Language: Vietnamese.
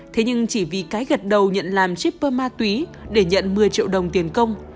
thế nhưng chỉ vì cái gật đầu nhận làm shipper ma túy để nhận một mươi triệu đồng tiền công